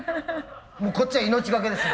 もうこっちは命懸けです。